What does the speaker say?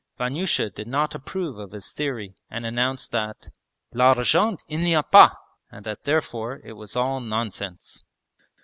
Vanyusha did not approve of his theory, and announced that 'l'argent il n'y a pas!' and that therefore it was all nonsense.